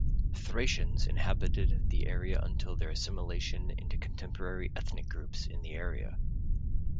Thracians inhabited the area until their assimilation into contemporary ethnic groups in the area.